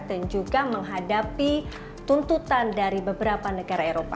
dan juga menghadapi tuntutan dari beberapa negara eropa